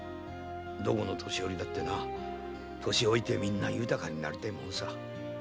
どこの年寄りだってな年老いてみんな豊かになりたいもんさ。